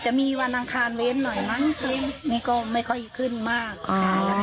จะมีวันอังคารเว้นหน่อยมั้งทีนี้ก็ไม่ค่อยขึ้นมากค่ะ